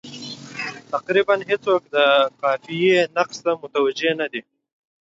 تقریبا هېڅوک د قافیې نقص ته متوجه نه دي.